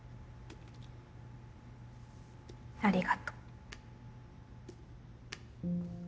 ありがとう。